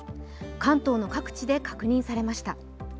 関東の各地で確認されました。